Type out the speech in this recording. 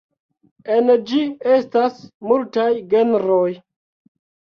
En ĝi estas multaj genroj.